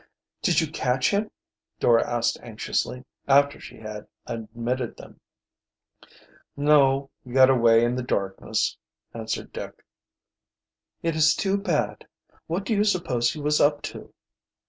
"Did you catch him?" Dora asked anxiously, after she had admitted them. "No, he got away in the darkness," answered Dick. "It is too bad. What do you suppose he was up to?"